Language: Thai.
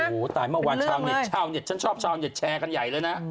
โอ้โหตายเมื่อวานชาวเน็ตชาวเน็ตฉันชอบชาวเน็ตแชร์กันใหญ่เลยนะ